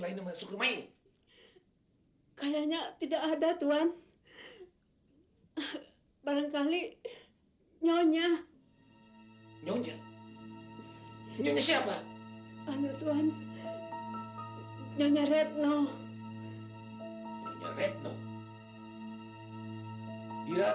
tapi kita belum tahu motivasi pembunuh